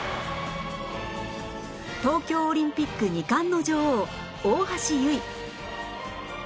東京オリンピック２冠の女王大橋悠依